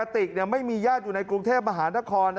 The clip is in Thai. ที่ไม่มีย่านอยู่ในกรุงเทพฯมหารคน